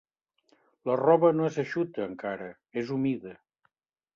La roba no és eixuta, encara: és humida.